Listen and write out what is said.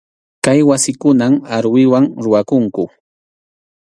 Kay wasikunan aruwiwan rurakunku.